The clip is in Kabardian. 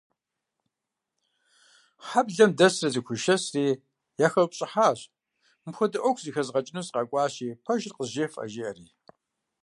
Хьэблэм дэсыр къызэхуишэсри, яхэупщӀыхьащ, мыпхуэдэ Ӏуэху зэхэзгъэкӀыну сыкъэкӀуащи, пэжыр къызжефӀэ, жиӀэри.